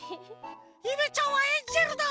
ゆめちゃんはエンジェルだ！